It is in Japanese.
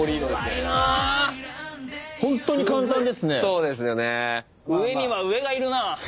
そうですよね。